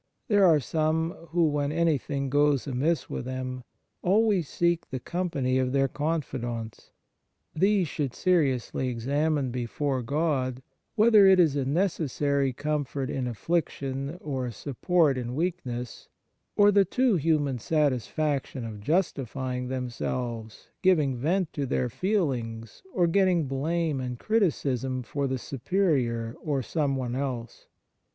There are some who, when any thing goes amiss with them, always seek the company of their confidants. These should seriously examine before God w r hether it is a necessary comfort in affliction or a support in weakness, or the too human satisfaction of justifying themselves, giving vent to their feelings, or getting blame and criticism for the Superior or some one else.